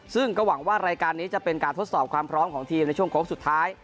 ซึ่งก็หวังว่ารายการนี้จะเป็นการทดสอบความพร้อมของทีมในช่วงโค้งสุดท้าย